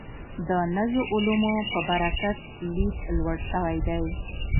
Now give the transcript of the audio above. د نویو علومو په برکت لید لوړ شوی دی.